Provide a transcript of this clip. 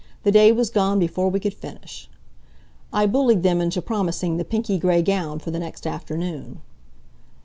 The day was gone before we could finish. I bullied them into promising the pinky gray gown for the next afternoon.